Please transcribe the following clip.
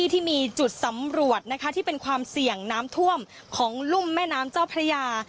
ที่มีจุดสำรวจที่เป็นความเสี่ยงน้ำท่วมของรุ่มแม่น้ำเจ้าพระยา